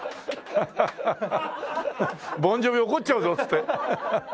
「ボン・ジョヴィ怒っちゃうぞ」っつってハハハハ！